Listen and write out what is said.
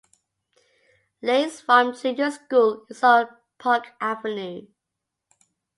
Leys Farm Junior School is on Park Avenue.